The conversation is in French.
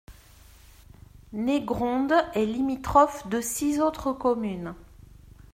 Négrondes est limitrophe de six autres communes.